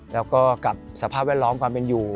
แล้วก็กับสภาพแวดล้อมความเป็นอยู่